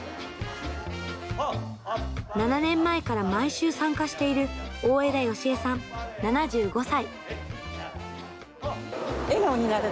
７年前から毎週参加している大條愛枝さん７５歳。